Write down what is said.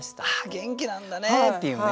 「元気なんだね！」っていうね。